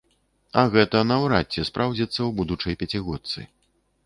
А гэта наўрад ці спраўдзіцца і ў будучай пяцігодцы.